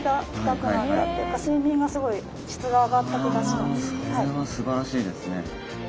それはすばらしいですね。